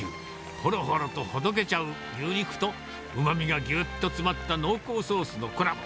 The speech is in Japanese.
ほろほろとほどけちゃう牛肉とうまみがぎゅっと詰まった濃厚ソースのコラボ。